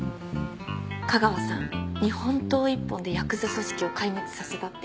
架川さん日本刀一本でヤクザ組織を壊滅させたって。